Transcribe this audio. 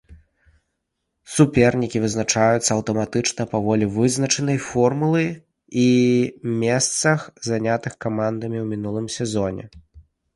Супернікі вызначаюцца аўтаматычна паводле вызначанай формулы і месцах, занятых камандамі ў мінулым сезоне.